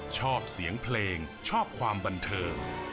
ชอบเสียงเพลงชอบความบันเทิง